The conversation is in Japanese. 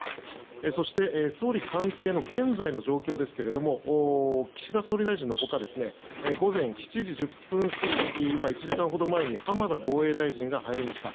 そして、総理官邸の現在の状況ですけども岸田総理大臣のほか午前７時１０分過ぎ１時間ほど前に浜田防衛大臣が入りました。